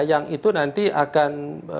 yang itu nanti akan